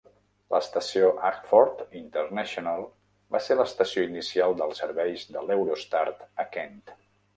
L'estació Ahford International va ser l'estació inicial dels serveis de l'Eurostar a Kent.